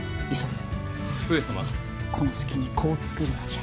この隙に子を作るのじゃ。